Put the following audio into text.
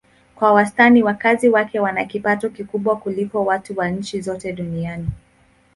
Kwa wastani wakazi wake wana kipato kikubwa kuliko watu wa nchi zote duniani.